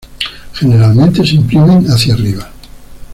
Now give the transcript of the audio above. Generalmente se imprimen hacia arriba.